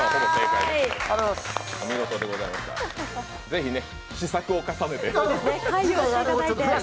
是非試作を重ねて。